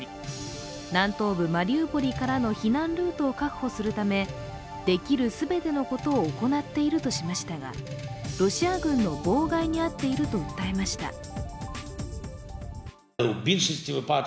南東部マリウポリからの避難ルートを確保するためできる全てのことを行っているとしましたがロシア軍の妨害に遭っていると訴えました。